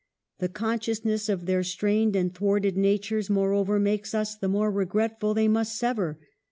The consciousness of their strained and thwarted na tures, moreover, makes us the more regretful they must sever.